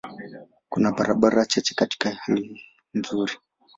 Kuna barabara chache katika hali nzuri.